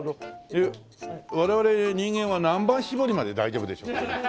で我々人間は何番搾りまで大丈夫でしょう？